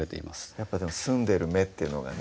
やっぱ澄んでる目っていうのがね